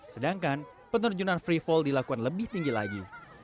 sedangkan penerjunan free fall dilakukan lebih tinggi lagi